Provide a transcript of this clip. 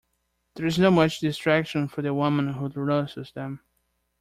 There is not much distraction for the woman who nurses them.